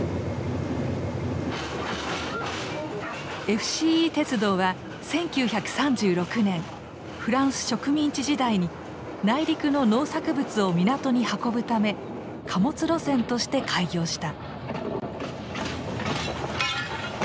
ＦＣＥ鉄道は１９３６年フランス植民地時代に内陸の農作物を港に運ぶため貨物路線として開業した。